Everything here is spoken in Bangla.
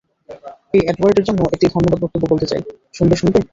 এই এডওয়ার্ড এর জন্য একটি ধন্যবাদ বক্তব্য বলতে চাই, শুনবে শুনবে?